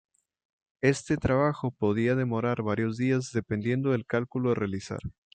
Este trabajo podía demorar varios días dependiendo del cálculo a realizar.